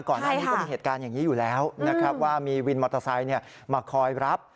ก่อนหน้านี้ก็มีเหตุการณ์อย่างนี้อยู่แล้วนะครับว่ามีวินมอเตอร์ไซค์มาคอยรับ